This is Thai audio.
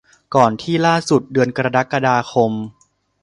ก่อนที่ล่าสุด เดือนกรกฎาคม